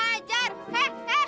ya begini ya mbak